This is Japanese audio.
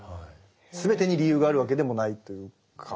すべてに理由があるわけでもないというか。